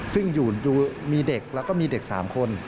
ซึ่งอยู่มีเด็กแล้วก็มีเด็ก๓คน